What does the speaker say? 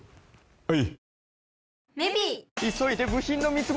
はい！